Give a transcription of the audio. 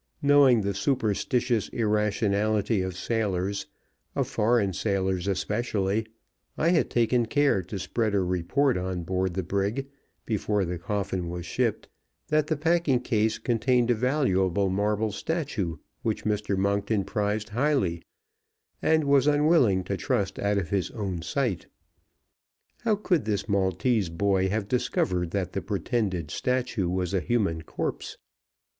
Knowing the superstitious irrationality of sailors of foreign sailors especially I had taken care to spread a report on board the brig, before the coffin was shipped, that the packing case contained a valuable marble statue which Mr. Monkton prized highly, and was unwilling to trust out of his own sight. How could this Maltese boy have discovered that the pretended statue was a human corpse?